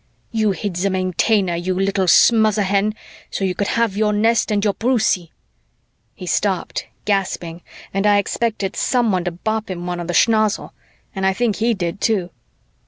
You hid the Maintainer, you little smother hen, so you could have your nest and your Brucie!" He stopped, gasping, and I expected someone to bop him one on the schnozzle, and I think he did, too.